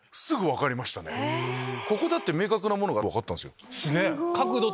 ここだって明確なものが分かったんですよ。